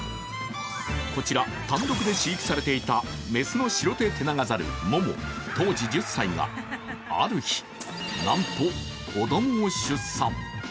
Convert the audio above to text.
こちら、単独で飼育されていた雌のシロテテナガザル、モモ、当時１０歳がある日、なんと子供を出産。